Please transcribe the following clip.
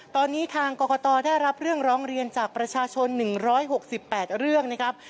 ตอนนี้ทางกรกตได้รับเรื่องร้องเรียนจากประชาชน๑๖๘เรื่องนะครับ